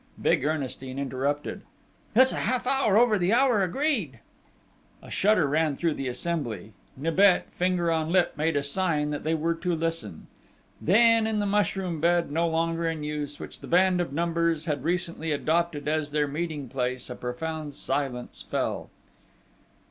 Big Ernestine interrupted. "It's a half hour over the hour agreed...." A shudder ran through the assembly: Nibet, finger on lip, made a sign that they were to listen. Then, in the mushroom bed, no longer in use, which the band of Numbers had recently adopted as their meeting place, a profound silence fell....